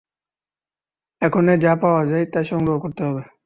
এখনই যা পাওয়া যায় তাই সংগ্রহ করতে হবে।